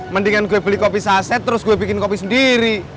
mendingan gue beli kopi saset terus gue bikin kopi sendiri